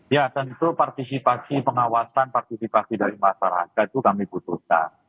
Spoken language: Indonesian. ya tentu partisipasi pengawasan partisipasi dari masyarakat itu kami butuhkan